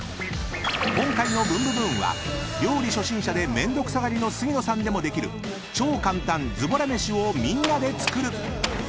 ［今回の『ブンブブーン！』は料理初心者でめんどくさがりの杉野さんでもできる超簡単ズボラ飯をみんなで作る！］